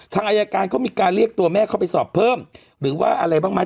ทางอายการเขามีการเรียกตัวแม่เข้าไปสอบเพิ่มหรือว่าอะไรบ้างไหม